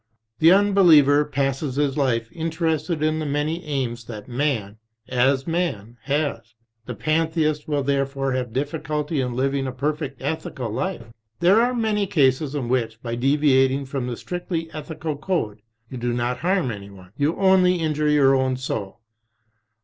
The un believer passes his life interested in the many aims that man, as man, has. The Pantheist will therefore have difficulty in living a perfect ethical life. There are many cases in which, by deviating from the strictly ethic code, you do not harm anyone, you only injure your own soul.